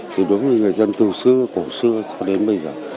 thì đối với người dân từ xưa cổ xưa cho đến bây giờ